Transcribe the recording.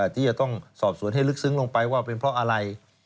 ที่จะต้องสอบสวนให้ลึกซึ้งลงไปว่าเป็นเพราะอะไร